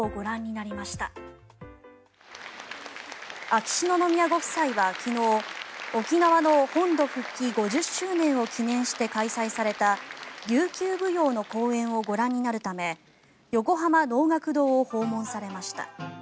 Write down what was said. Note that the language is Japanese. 秋篠宮ご夫妻は昨日沖縄の本土復帰５０周年を記念して開催された琉球舞踊の公演をご覧になるため横浜能楽堂を訪問されました。